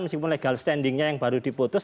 meskipun legal standingnya yang baru diputus